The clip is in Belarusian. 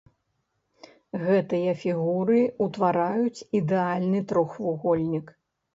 Гэтыя фігуры ўтвараюць ідэальны трохвугольнік.